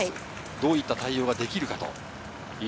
どういった対応ができるか。